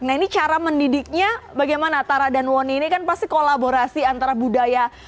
nah ini cara mendidiknya bagaimana tara dan wonny ini kan pasti kolaborasi antara budaya